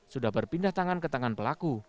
sudah berpindah tangan ke tangan pelaku